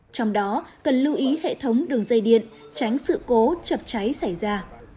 trong đó cần lưu ý hệ thống đường dây điện tránh sự cố chập cháy xảy ra